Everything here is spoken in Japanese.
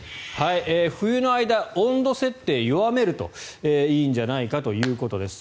冬の間、温度設定を弱めるといいんじゃないかということです。